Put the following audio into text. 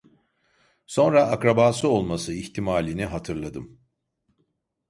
Sonra akrabası olması ihtimalini hatırladım.